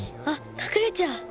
あっかくれちゃう。